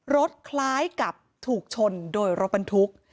คล้ายกับถูกชนโดยรถบรรทุก